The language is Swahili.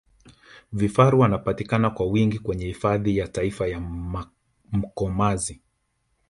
vifaru wanapatikana kwa wingi kwenye hifadhi ya taifa ya mkomazi